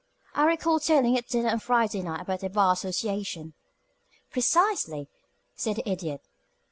"I recall telling at dinner on Friday night about the Bar Association " "Precisely," said the Idiot.